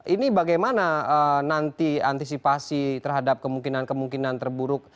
ini bagaimana nanti antisipasi terhadap kemungkinan kemungkinan terburuk